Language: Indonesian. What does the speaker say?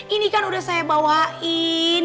ini kan udah saya bawain